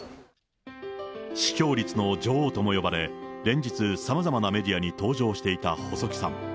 視聴率の女王とも呼ばれ、連日、さまざまなメディアに登場していた細木さん。